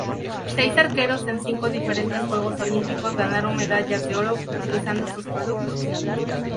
Seis arqueros en cinco diferentes juegos olímpicos ganaron medallas de oro utilizando sus productos.